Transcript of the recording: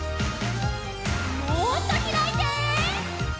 もっとひらいて。